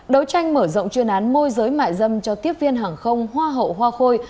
đấu tranh mở rộng chuyên án môi giới mại dâm cho tiếp viên hàng không hoa hậu hoa khôi